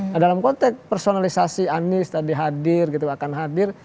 nah dalam konteks personalisasi anies tadi hadir gitu akan hadir